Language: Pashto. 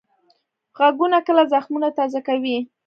غږونه کله زخمونه تازه کوي